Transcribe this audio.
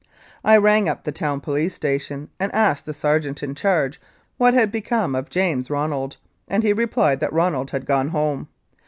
I rang up the town police station and asked the sergeant in charge what had become of James Ronald, and he replied that Ronald had gone home.